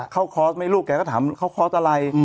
คอร์สไหมลูกแกก็ถามเขาคอร์สอะไร